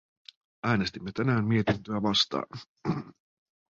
Äänestimme tänään mietintöä vastaan.